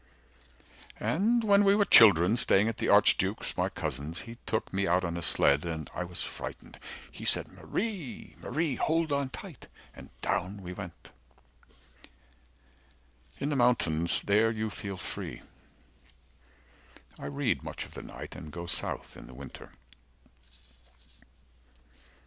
And when we were children, staying at the archduke's, My cousin's, he took me out on a sled, And I was frightened. He said, Marie, 15 Marie, hold on tight. And down we went. In the mountains, there you feel free. I read, much of the night, and go south in the winter.